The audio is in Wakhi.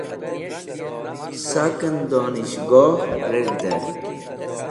Saken Donishgoh Reg̃hde